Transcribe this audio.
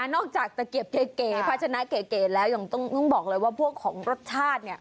นอกจากตะเกียบเก๋พัฒนาเก๋แล้วยังต้องบอกเลยว่าพวกของรสชาติ